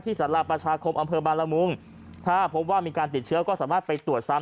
สารประชาคมอำเภอบางละมุงถ้าพบว่ามีการติดเชื้อก็สามารถไปตรวจซ้ำ